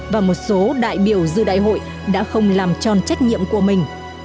và một số đại biểu dự đại hội đã không làm tròn trách nhiệm của mình